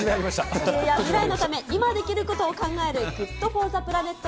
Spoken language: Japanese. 地球や未来のため、考えるＧｏｏｄＦｏｒｔｈｅＰｌａｎｅｔ